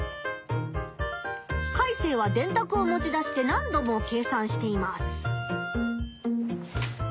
カイセイはでんたくを持ち出して何度も計算しています。